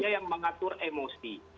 yang mengatur emosi